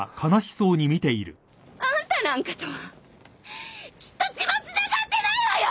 あんたなんかとはきっと血もつながってないわよ！